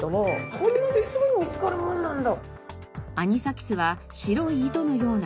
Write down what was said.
こんなにすぐに見つかるもんなんだ。